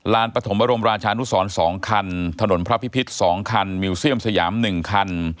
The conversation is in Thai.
ปฐมบรมราชานุสร๒คันถนนพระพิพิษ๒คันมิวเซียมสยาม๑คัน